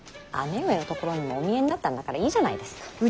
姉上のところにもお見えになったんだからいいじゃないですか。